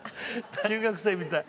中学生みたい。